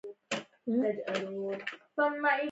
احمده! تا تر تبر؛ لاستی دروند کړ.